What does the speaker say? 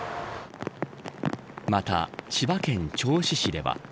また千葉県銚子市では。